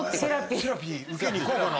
セラピー受けに行こうかな。